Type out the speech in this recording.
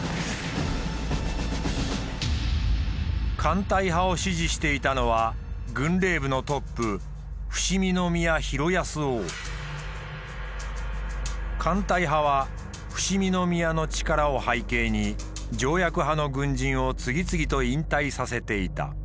艦隊派を支持していたのは軍令部のトップ艦隊派は伏見宮の力を背景に条約派の軍人を次々と引退させていた。